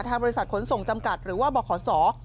ทางบริษัทขนส่งจำกัดหรือว่าบรขสอร์